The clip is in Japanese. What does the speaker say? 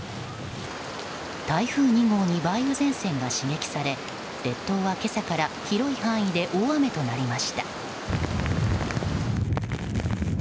台風２号に梅雨前線が刺激され列島は今朝から広い範囲で大雨となりました。